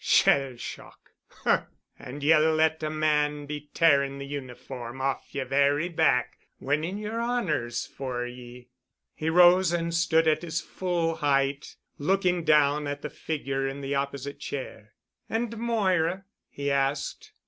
Shell shock! Humph! And ye'll let a man be tearing the uniform off yer very back—winning yer honors for ye." He rose and stood at his full height, looking down at the figure in the opposite chair. "And Moira—?" he asked.